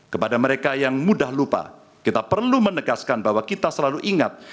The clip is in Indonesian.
kepada mereka yang mudah lupa kita perlu menegaskan bahwa kita selalu ingat